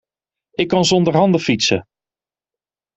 Ik kan zonder handen fietsen.